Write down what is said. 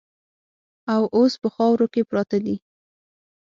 او اوس په خاورو کې پراته دي.